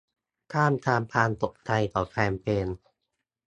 ท่ามกลางความตกใจของแฟนเพลง